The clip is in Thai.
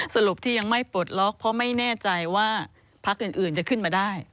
สรุปที่ยังไม่ปลดล็อกเพราะไม่แน่ใจว่าพักอื่นจะขึ้นมาได้